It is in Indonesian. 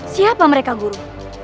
siapa mereka guru